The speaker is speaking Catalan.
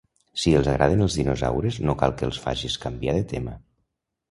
Si els agraden els dinosaures no cal que els facis canviar de tema.